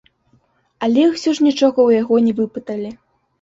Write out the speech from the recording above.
Але ўсё ж нічога ў яго не выпыталі.